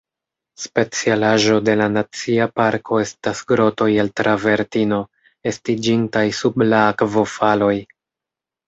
Specialaĵo de la nacia parko estas grotoj el travertino, estiĝintaj sub la akvofaloj.